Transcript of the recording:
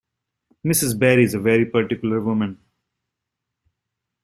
Mrs. Barry is a very particular woman.